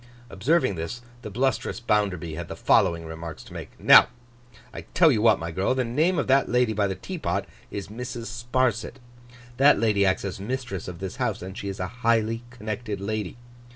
Observing this, the blustrous Bounderby had the following remarks to make: 'Now, I tell you what, my girl. The name of that lady by the teapot, is Mrs. Sparsit. That lady acts as mistress of this house, and she is a highly connected lady.